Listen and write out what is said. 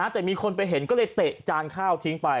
แต่มีคนไปเห็นก็เลยเตะจานข้าวทิ้งไป